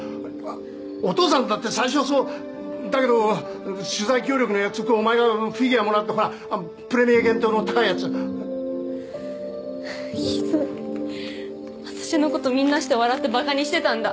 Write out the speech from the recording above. お父さんだって最初はそうだけど取材協力の約束をお前がフィギュアもらってほらプレミア限定の高いやつひどい私のことみんなして笑ってバカにしてたんだ？